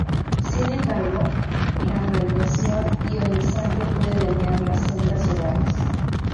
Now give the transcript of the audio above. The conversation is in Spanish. Sin embargo, la radiación ionizante puede dañar las celdas solares.